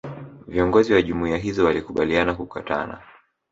Viongozi wa Jumuiya hizo walikubaliana kukutana